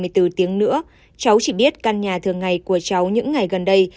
từ tiếng nữa cháu chỉ biết căn nhà thường ngày của cháu những ngày gần đây